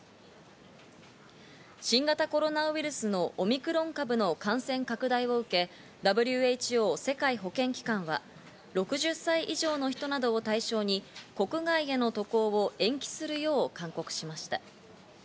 新型コロナウイルスのオミクロン株の感染拡大を受け、ＷＨＯ＝世界保健機関は、６０歳以上の人など対象に国外への渡航を延期するよう勧告しました。